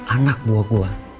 anak buah gue